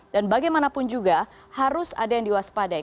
dan bagaimanapun juga harus ada yang diwaspadai